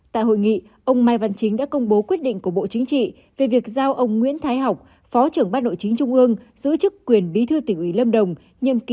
tại hội nghị ông mai văn chính đã công bố quyết định của bộ chính trị về việc giao ông nguyễn thái học phó trưởng ban nội chính trung ương giữ chức quyền bí thư tỉnh ủy lâm đồng nhiệm kỳ hai nghìn hai mươi hai nghìn hai mươi